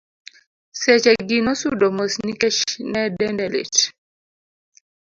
seche gi nosudo mos nikech ne dende lit